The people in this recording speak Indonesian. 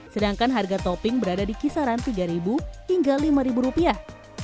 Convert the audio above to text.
sedangkan harga topping berada di kisaran tiga hingga lima rupiah